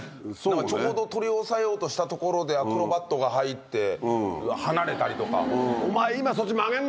ちょうど取り押さえようとしたところでアクロバットが入って離れたりとか。